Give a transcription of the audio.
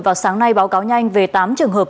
vào sáng nay báo cáo nhanh về tám trường hợp